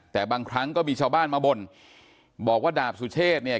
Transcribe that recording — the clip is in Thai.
แต่บางครั้งก็มีชาวบ้านมาบ่นบอกว่าดาบสุเชษเนี่ย